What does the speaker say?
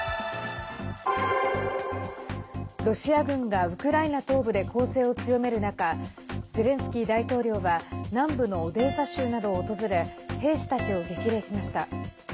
ロシア軍がウクライナ東部で攻勢を強める中ゼレンスキー大統領は南部のオデーサ州などを訪れ兵士たちを激励しました。